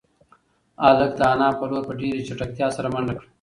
هلک د انا په لور په ډېرې چټکتیا سره منډه کړه.